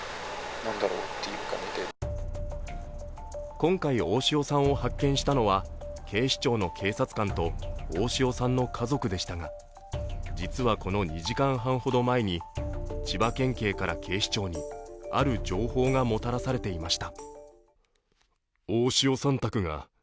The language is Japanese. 今回、大塩さんを発見したのは警視庁の警察官と大塩さんの家族でしたが実はこの２時間ほど前に千葉県警から警視庁にある譲歩がもたらされていました。